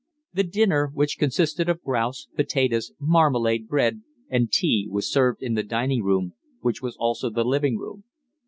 The dinner, which consisted of grouse, potatoes, marmalade, bread, and tea, was served in the dining room, which was also the living room.